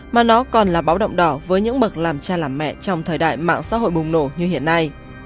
mà nó còn là báo động đỏ với những bậc làm cha làm mẹ trong thời đại mạng xã hội bùng nổ như hiện nay